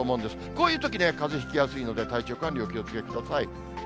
こういうときね、かぜひきやすいので、体調管理、お気をつけください。